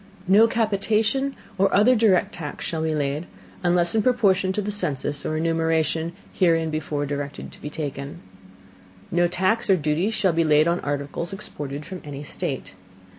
No Capitation, or other direct, Tax shall be laid, unless in Proportion to the Census or Enumeration herein before directed to be taken. No Tax or Duty shall be laid on Articles exported from any State.